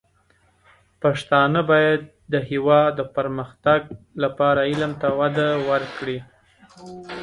پښتانه بايد د هېواد د پرمختګ لپاره علم ته وده ورکړي.